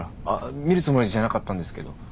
あ見るつもりじゃなかったんですけど。